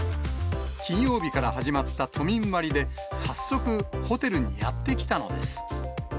金曜日から始まった都民割で早速、ホテルにやって来たのです。